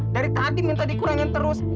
dari tadi minta dikurangin terus